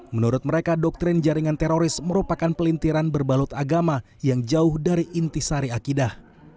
menurut mereka doktrin jaringan teroris merupakan pelintiran berbalut agama yang jauh dari inti sari akidah